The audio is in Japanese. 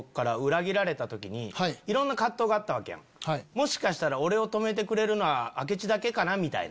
もしかしたら俺を止めてくれるのは明智だけかなみたいな。